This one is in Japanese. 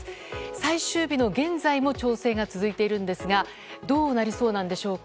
最終日の現在も調整が続いているんですがどうなりそうなんでしょうか。